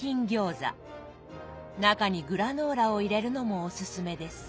中にグラノーラを入れるのもおすすめです。